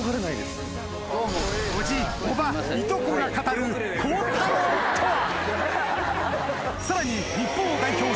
おじおばいとこが語る孝太郎とは？